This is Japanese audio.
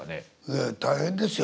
ええ大変ですよ。